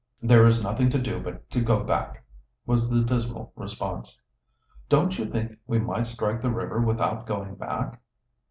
"There is nothing to do but to go back," was the dismal response. "Don't you think we might strike the river without going back?"